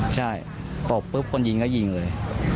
ใช่ตบปุ๊บคนยิงก็ยิงเลย